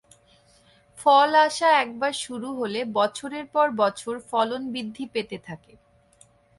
ফল আসা একবার শুরু হলে বছরের পর বছর ফলন বৃদ্ধি পেতে থাকে।